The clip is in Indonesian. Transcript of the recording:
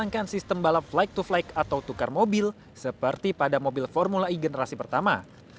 dan juga menghasilkan mobil mobil balap flight to flight atau tukar mobil seperti pada mobil formula e generasi pertama